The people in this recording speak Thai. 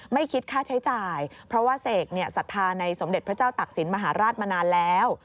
ไม่คิดค่าใช้จ่ายเพราะว่าเสกศรัทธาในสมเด็จพระเจ้าตักศิลปมหาราชมานานแล้ว